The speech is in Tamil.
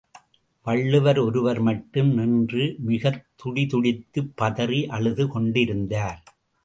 வள்ளுவர் ஒருவர் மட்டும் நின்று மிகத் துடி துடித்துப் பதறி அழுது கொண்டிருந்தார்.